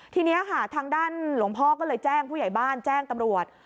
ทีนี้ค่ะทางด้านหลวงพ่อก็เลยแจ้งผู้ใหญ่บ้านแจ้งตำรวจ